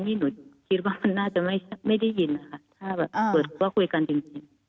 นี่หนูคิดว่ามันน่าจะไม่ได้ยินนะคะถ้าแบบเปิดว่าคุยกันจริง